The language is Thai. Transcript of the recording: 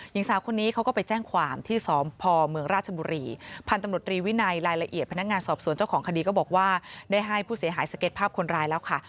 หญิงสาวคนนี้เขาก็ไปแจ้งความที่สพเมืองราชบุรีพันธุ์ตำรวจรีวินัยรายละเอียดพนักงานสอบสวนเจ้าของคดีก็บอกว่าได้ให้ผู้เสียหายสเก็ตภาพคนร้ายแล้วค่ะ